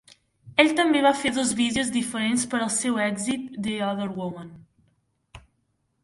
Ell també va fer dos vídeos diferents per al seu èxit "The Other Woman".